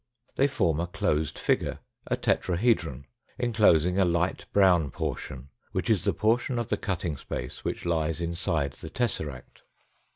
They form a closed figure, a tetrahedron, enclosing a light brown portion which is the portion of the cutting space which lies inside the tesseract.